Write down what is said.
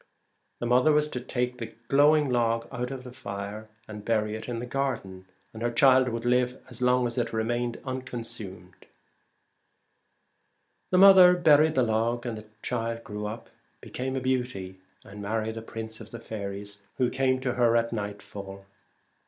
The mother was to take the glowing log out of the fire and bury it in the garden, and her child would live as long as it remained unconsumed. The 132 mother buried the log, and the child grew The up, became a beauty, and married the Ones, prince of the faeries, who came to her at nightfall.